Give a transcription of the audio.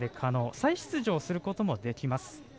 再出場することもできます。